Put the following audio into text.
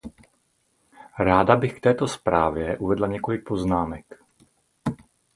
Ráda bych k této zprávě uvedla několik poznámek.